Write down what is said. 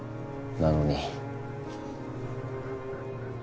なのに。